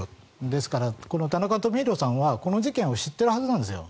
ですから、この田中富広さんはこの事件を知っているはずなんですよ。